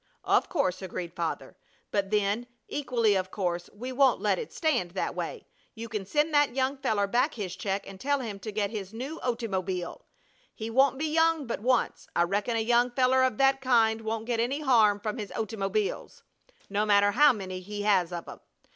"Of course," agreed Father; "but then, equally of course we won't let it stand that way. You can send that young feller back his check, and tell him to get his new ottymobeel. He won't be young but once, and I reckon a young feller of that kind won't get any harm from his ottymobeels, no matter how many he has of 'em.